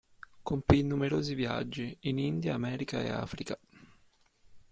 Compì numerosi viaggi, in India, America e Africa.